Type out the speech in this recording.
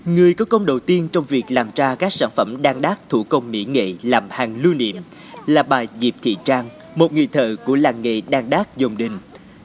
người có công đầu tiên trong việc làm ra các sản phẩm đan đát thủ công mỹ nghệ làm hàng lưu niệm là bà diệp thị trang một người thợ của làng nghề đan đác dồn đình